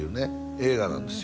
映画なんですよ